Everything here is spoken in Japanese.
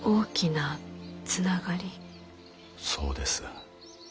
そうです。